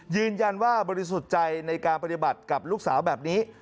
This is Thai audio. ยืนยันว่าบริสุทธิ์ใจในการปฏิบัติกับลูกสาวแบบนี้